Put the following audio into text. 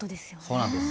そうなんです。